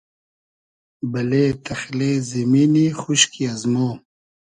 بئلې تئخلې زیمینی خوشکی ازمۉ